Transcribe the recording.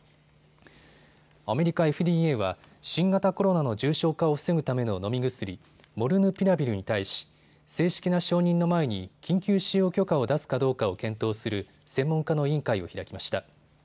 アメリカＦＤＡは新型コロナの重症化を防ぐための飲み薬、モルヌピラビルに対し、正式な承認の前に緊急使用許可を出すかどうかを検討する専門家の委員会を開きました。